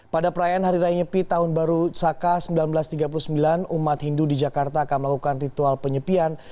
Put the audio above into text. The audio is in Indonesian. pada perayaan hari raya nyepi tahun baru saka seribu sembilan ratus tiga puluh sembilan umat hindu di jakarta akan melakukan ritual penyepian